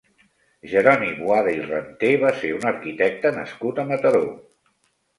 Jeroni Boada i Renter va ser un arquitecte nascut a Mataró.